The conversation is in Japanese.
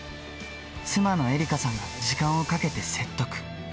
妻の絵里香さんが時間をかけて説得。